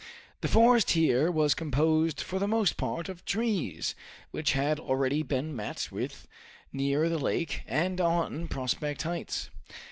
The forest here was composed for the most part of trees which had already been met with near the lake and on Prospect Heights.